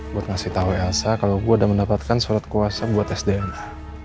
buat ngasih tahu elsa kalau gue udah mendapatkan surat kuasa buat sdmh